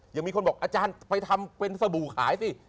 ยังมีคนบอกอาจารย์ไปทำเป็นสบู่ขายสิ